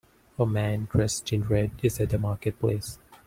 A man dressed in red is at the marketplace.